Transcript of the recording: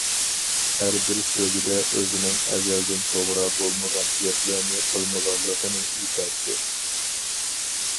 ھەر بىر سۆزىدە ئۆزىنىڭ ئەزەلدىن توغرا بولمىغان گەپلەرنى قىلمىغانلىقىنى ئېيتاتتى.